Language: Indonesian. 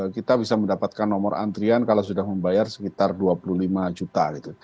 kita bisa mendapatkan nomor antrian kalau sudah membayar sekitar dua puluh lima juta gitu